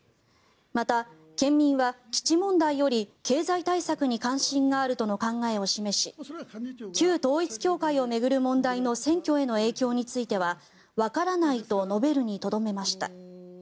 また、県民は基地問題より経済対策に関心があるとの考えを示し旧統一教会を巡る問題の選挙への影響についてはわからないと述べるにとどめました。